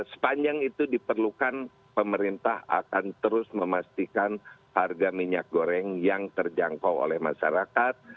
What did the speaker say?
sepanjang itu diperlukan pemerintah akan terus memastikan harga minyak goreng yang terjangkau oleh masyarakat